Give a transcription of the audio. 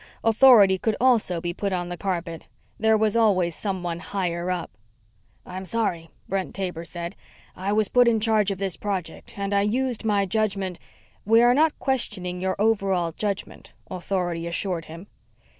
Authority could also be put on the carpet. There was always Someone higher up. "I'm sorry," Brent Taber said. "I was put in charge of this project and I used my judgment " "We are not questioning your over all judgment," Authority assured him.